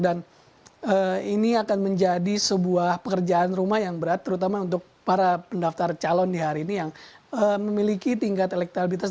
dan ini akan menjadi sebuah pekerjaan rumah yang berat terutama untuk para pendaftar calon di hari ini yang memiliki tingkat elektabilitas